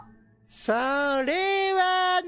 それはね。